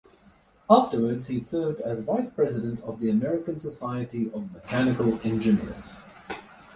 Afterwards he served as vice-president of the American society of mechanical engineers.